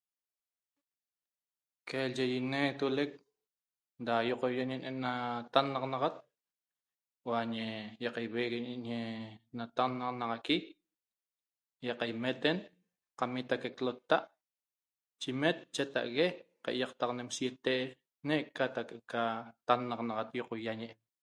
Quelye iem neguetolec ra aie qoiañi ne'ena tannaxanaxat vañe ieqaiavegue ñi ñi natannaxanaxaqui ie qaimeten qanmitaque ca lata' che ime cheta'ague qaiaqtaxanem si te negue ca que'eca tannaxanaxat aiem qoiañi'